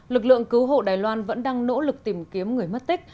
lực lượng cứu hộ đài loan vẫn đang nỗ lực tìm kiếm người mất tích